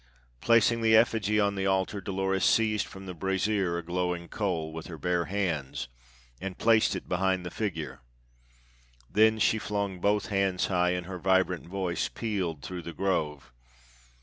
Placing the effigy on the altar, Dolores seized from the brazier a glowing coal with her bare hands and placed it behind the figure. Then she flung both hands high and her vibrant voice pealed through the Grove.